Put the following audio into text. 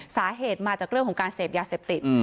สาเหตุมาจากเรื่องของการเสพยาเสพติด